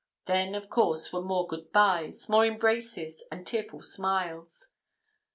Then, of course, were more good byes, more embraces, and tearful smiles.